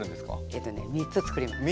えっとね３つ作ります。